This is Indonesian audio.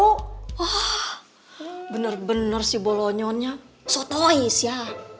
wah bener bener si bolonyonya sotois ya